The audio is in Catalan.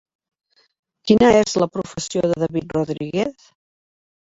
Quina és la professió de David Rodríguez?